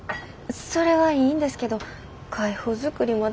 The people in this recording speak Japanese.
それはいいんですけど会報づくり